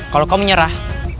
kalau kau menyerah